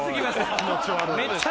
気持ち悪い。